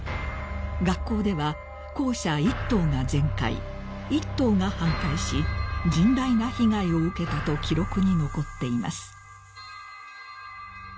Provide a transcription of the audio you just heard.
［学校では校舎１棟が全壊１棟が半壊し甚大な被害を受けたと記録に残っています］